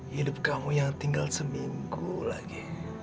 hidup kamu yang tinggal seminggu lagi